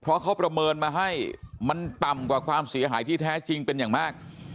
เพราะเขาประเมินมาให้มันต่ำกว่าความเสียหายที่แท้จริงเป็นอย่างมาก